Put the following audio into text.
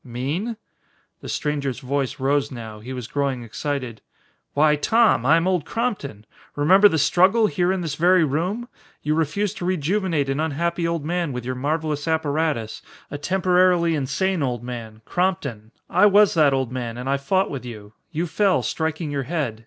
"Mean?" The stranger's voice rose now; he was growing excited. "Why, Tom, I am Old Crompton. Remember the struggle, here in this very room? You refused to rejuvenate an unhappy old man with your marvelous apparatus, a temporarily insane old man Crompton. I was that old man and I fought with you. You fell, striking your head.